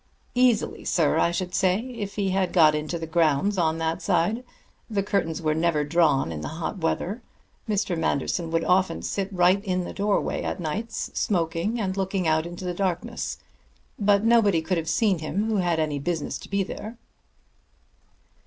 "Easily, sir, I should say, if he had got into the grounds on that side. The curtains were never drawn in the hot weather. Mr. Manderson would often sit right in the doorway at nights, smoking and looking out into the darkness. But nobody could have seen him who had any business to be there."